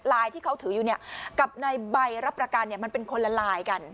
ที่เขาถืออยู่กับในใบรับประกันมันเป็นคนละลายกัน